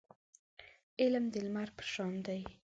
علم د لمر په شان دی.